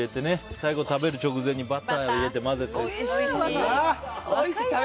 最後、食べる直前にバターを入れて、混ぜて。